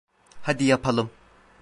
Hadi yapalım.